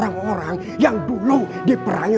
namanya tidak ada pasal lagi